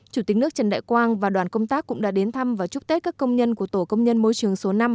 chủ tịch nước trần đại quang và đoàn công tác cũng đã đến thăm và chúc tết các công nhân của tổ công nhân môi trường số năm